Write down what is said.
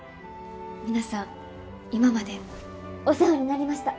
皆さん今までお世話になりました。